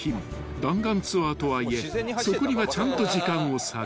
［弾丸ツアーとはいえそこにはちゃんと時間を割く］